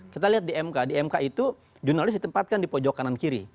kita lihat di mk di mk itu jurnalis ditempatkan di pojok kanan kiri